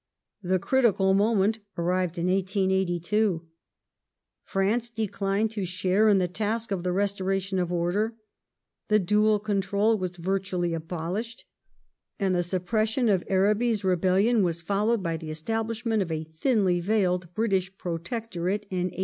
The critical moment arrived in 1882. France declined to share in the task of the restoration of order, the dual control was virtually abolished ; and the suppression of Aiabi's rebellion was followed by the establishment of a thinly veiled British Protectorate in 1883.